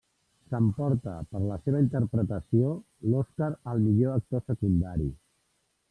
S'emporta per la seva interpretació l'Oscar al millor actor secundari.